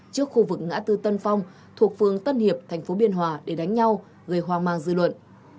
trước khu vực ngã tư tân phong thuộc phường tân hiệp thành phố biên hòa để đánh nhau gây hoang mang dư luận